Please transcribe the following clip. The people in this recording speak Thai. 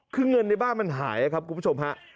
คือเงินในบ้านมันหายครับคุณผู้ชมฮะ